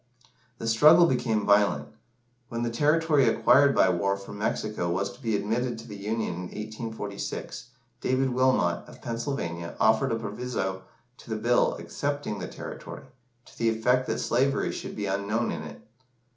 The struggle became violent. When the territory acquired by war from Mexico was to be admitted to the Union in 1846, David Wilmot, of Pennsylvania, offered a proviso to the Bill accepting the territory, to the effect that slavery should be unknown in it.